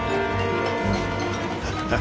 ハハハ！